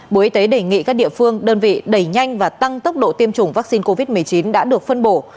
bộ y tế đề nghị các địa phương đơn vị đẩy nhanh và tăng tốc độ tiêm chủng vaccine covid một mươi chín đã được phân bổ